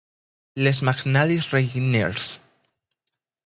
Les Magnils-Reigniers